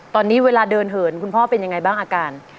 ตอนนี้เวลาเดินเหินคุณพ่อเป็นยังไงบ้างอาการ